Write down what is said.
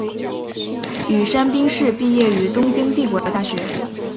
宇山兵士毕业于东京帝国大学。